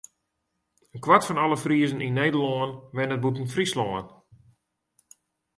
In kwart fan alle Friezen yn Nederlân wennet bûten Fryslân.